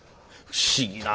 不思議な。